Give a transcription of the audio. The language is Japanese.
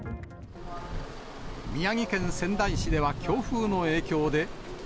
宮城県仙台市では、強風の影響で。